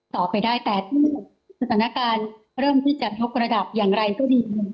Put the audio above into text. ต่อไปได้แต่ที่สถานการณ์เริ่มพิจารณาผลกระดับอย่างไรก็ดี